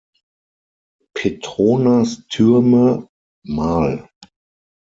Petronas-Türme, mal.